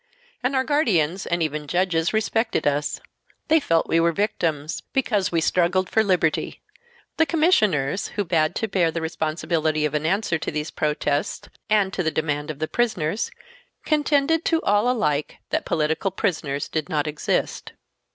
And our guardians and even judges respected us; they felt we were victims, because we struggled for liberty." The Commissioners, who bad to bear the responsibility of an answer to these protests and to the demand of the prisoners, contended to all alike that political prisoners did not exist.